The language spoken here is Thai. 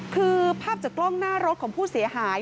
คือภาพจากกล้องหน้ารถของผู้เสียหาย